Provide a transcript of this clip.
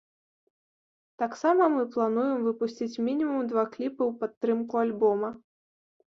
Таксама мы плануем выпусціць мінімум два кліпы ў падтрымку альбома.